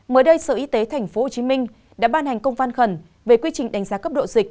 mới đây sở y tế tp hcm đã ban hành công văn khẩn về quy trình đánh giá cấp độ dịch